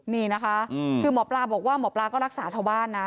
นี่นะคะคือหมอปลาบอกว่าหมอปลาก็รักษาชาวบ้านนะ